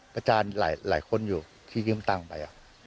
ประจานหลายคนอยู่ที่เกิ้มตังค์ไป